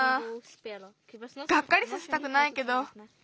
がっかりさせたくないけど。